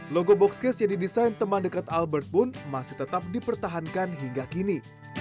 logo boxcase yang didesain teman dekat albert pun masih tetap dipertahankan hingga kini